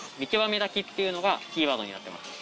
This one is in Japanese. っていうのがキーワードになってます。